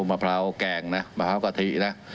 มะพร้าวกแกงนะครับมะพร้าวกะทินะครับ